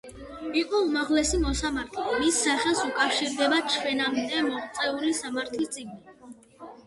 იყო უმაღლესი მოსამართლე, მის სახელს უკავშირდება ჩვენამდე მოღწეული სამართლის წიგნი.